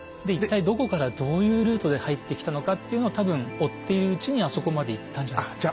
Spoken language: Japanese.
で一体どこからどういうルートで入ってきたのかっていうのを多分追っているうちにあそこまで行ったんじゃないか。